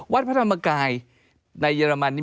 วัดพระธรรมกายในเยอรมันนี่